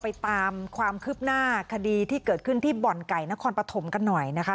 ไปตามความคืบหน้าคดีที่เกิดขึ้นที่บ่อนไก่นครปฐมกันหน่อยนะคะ